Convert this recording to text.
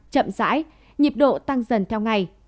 chậm rãi nhịp độ tăng dần theo ngày